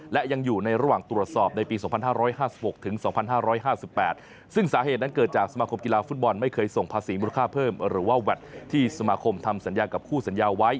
และยังอยู่ในระหว่างตรวจสอบในปี๒๕๕๖ถึง๒๕๕๘ซึ่งสาเหตุนั้นเกิดจากสมาคมกีฬาฟุตบอลไม่เคยส่งภาษีมูลค่าเพิ่มหรือว่าแวดที่สมาคมทำสัญญากับคู่สัญญาไว้